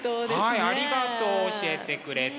はいありがとう。教えてくれて。